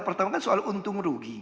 pertama soal untung ruh